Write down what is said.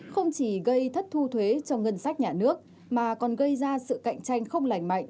không chỉ gây thất thu thuế cho ngân sách nhà nước mà còn gây ra sự cạnh tranh không lành mạnh